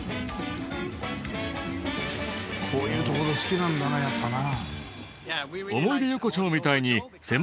こういう所好きなんだなやっぱな。